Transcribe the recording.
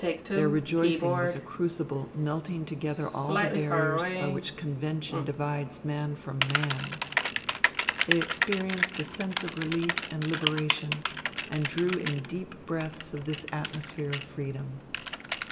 Their rejoicing was a crucible melting together all the barriers by which convention divides man from man. They experienced a sense of relief and liberation, and drew in deep breaths of this atmosphere of freedom.